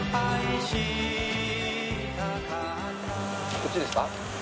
こっちですか？